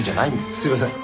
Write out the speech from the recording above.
すいません。